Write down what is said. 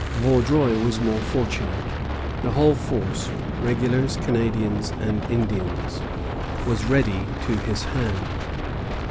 Vaudreuil was more fortunate. The whole force, regulars, Canadians, and Indians, was ready to his hand.